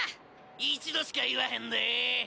一度しか言わへんで！